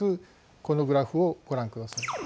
このグラフをご覧ください。